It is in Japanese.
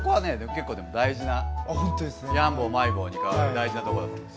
結構でも大事なヤンボールマイボールに変わる大事なとこだと思います。